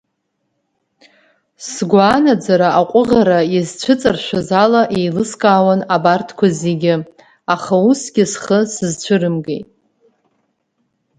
Сгәы анаӡара аҟәыӷара иазцәыҵаршәыз ала еилыскаауан абарҭқәа зегьы, аха усгьы схы сызцәырымгеит…